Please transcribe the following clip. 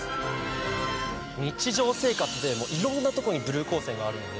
日常生活で色んなとこにブルー光線があるので。